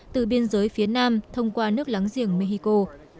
từ biên giới phía nam thông qua nước láng giềng mexico